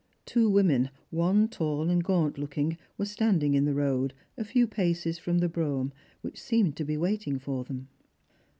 Two women, one tall and gaunt looking, were standing in the road, a few paces from the brougham, which seemed to be waiting for them.